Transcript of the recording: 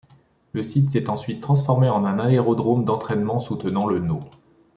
Le site s’est ensuite transformé en un aérodrome d’entraînement soutenant le No.